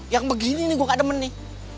yang begini nih gue gak demen nih